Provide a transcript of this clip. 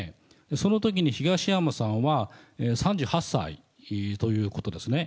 そのときに東山さんは３８歳ということですね。